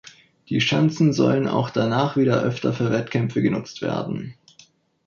Die Schanzen sollen auch danach wieder öfter für Wettkämpfe genutzt werden.